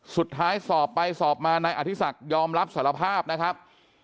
สุดท้ายสอบไปสอบมานายอธิสักต่างสียอมรับสารภาพนะครับ